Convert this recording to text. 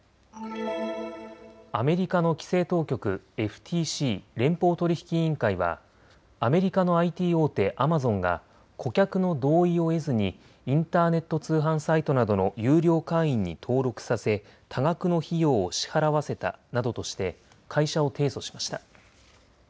アメリカの規制当局、ＦＴＣ・連邦取引委員会はアメリカのＩＴ大手、アマゾンが顧客の同意を得ずにインターネット通販サイトなどの有料会員に登録させ多額の費用を支払わせたなどとして会社を提訴しました。